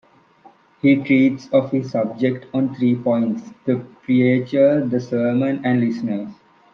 He treats of his subject on three points: the preacher, the sermon, the listeners.